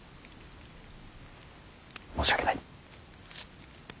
申し訳ない。